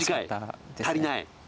足りない。